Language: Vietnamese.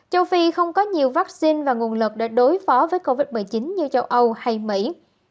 châu phi không có nhiều vaccine và nguồn lực để đối phó với covid một mươi chín như châu âu hay mỹ